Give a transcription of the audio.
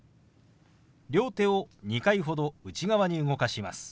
両手を２回ほど内側に動かします。